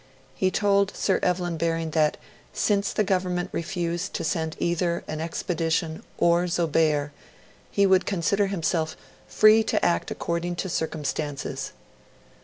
He told Sir Evelyn Baring that, since the Government refused to send either an expedition or Zobeir, he would 'consider himself free to act according to circumstances.'